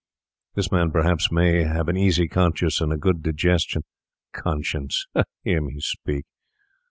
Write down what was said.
This man, perhaps, may have an easy conscience and a good digestion. Conscience! Hear me speak.